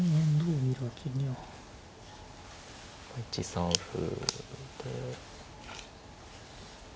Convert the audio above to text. １三歩で。